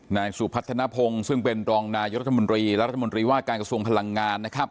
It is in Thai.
นายสุพัฒนภงซึ่งเป็นรองนายรัฐมนตรีและรัฐมนตรีว่าการกระทรวงพลังงานนะครับ